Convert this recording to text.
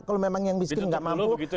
kalau memang yang miskin nggak mampu